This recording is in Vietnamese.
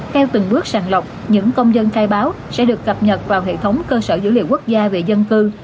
theo từng bước sàng lọc những công dân khai báo sẽ được cập nhật vào hệ thống cơ sở dữ liệu quốc gia về dân cư